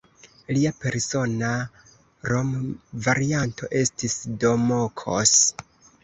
Lia persona nomvarianto estis "Domokos".